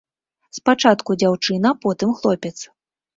Спачатку дзяўчына, потым хлопец.